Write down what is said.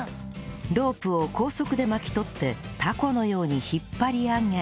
ロープを高速で巻き取って凧のように引っ張り上げ